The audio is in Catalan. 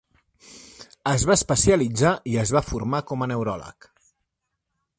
Es va especialitzar i es va formar com a neuròleg.